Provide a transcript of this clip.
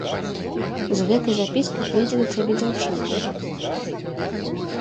З гэтай запіскай прыйдзе да цябе дзяўчына.